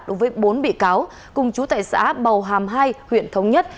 đối với bốn bị cáo cùng chú tại xã bầu hàm hai huyện thống nhất